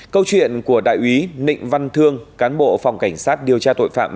câu chuyện của đại úy nịnh văn thương cán bộ phòng cảnh sát điều tra tội phạm